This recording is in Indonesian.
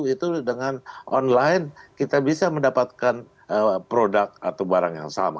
itu dengan online kita bisa mendapatkan produk atau barang yang sama